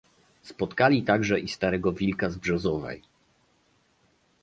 "Spotkali także i starego Wilka z Brzozowej."